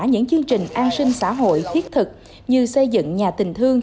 những chương trình an sinh xã hội thiết thực như xây dựng nhà tình thương